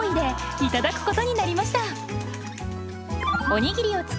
おにぎりだ！